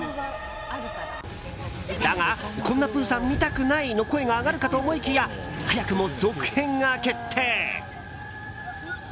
だが、こんなプーさん見たくない！の声が上がるかと思いきや、早くも続編が決定。